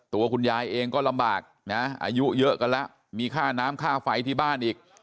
ตัวคุณยายเองก็ลำบากนะอายุเยอะกันแล้วมีค่าน้ำค่าไฟที่บ้านอีก